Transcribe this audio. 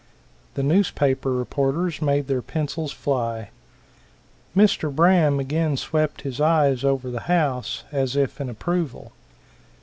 The newspaper reporters made their pencils fly. Mr. Braham again swept his eyes over the house as if in approval.